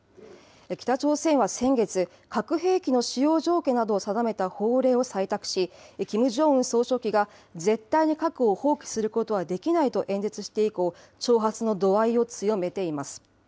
北朝鮮は先月、核兵器の使用条件などを定めた法令を採択し、キム・ジョンウン総書記が絶対に核を放棄することはできないと演説して以降、挑発の度合いを強めています。